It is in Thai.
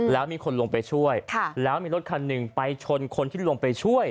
แล้วมีคนลงไปช่วยแล้วมีรถคันหนึ่งไปชนคนที่ลงไปช่วย